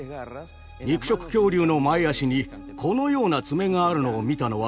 肉食恐竜の前あしにこのような爪があるのを見たのは初めてでした。